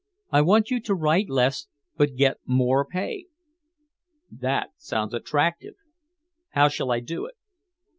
"I want you to write less, but get more pay." "That sounds attractive. How shall I do it?"